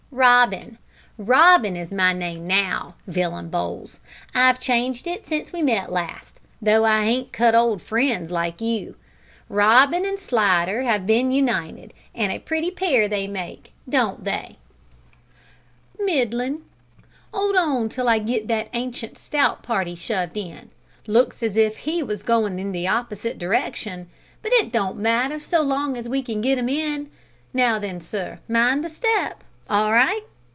"Robin Robin is my name now, Villum Bowls. I've changed it since we met last, though I hain't cut old friends like you. Robin an' Slidder 'ave been united, an' a pretty pair they make, don't they?" "Middlin'. 'Old on till I get that ancient stout party shoved in. Looks like as if he was a goin' in the opposite direction, but it don't matter so long as we can get 'im in. Now, then, sir, mind the step. All right?